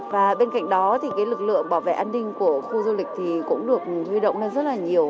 và bên cạnh đó thì cái lực lượng bảo vệ an ninh của khu du lịch thì cũng được huy động lên rất là nhiều